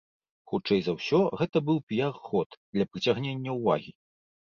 Хутчэй за ўсё, гэта быў піяр-ход для прыцягнення ўвагі.